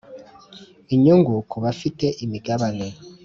inyungu ku bafite imigabane